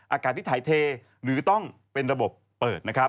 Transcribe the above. อากาศที่ถ่ายเทหรือต้องเป็นระบบเปิดนะครับ